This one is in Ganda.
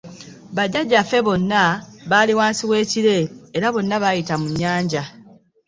Bajjajjaffe bonna baali wansi w'ekire, era bonna baayita mu nnyanja.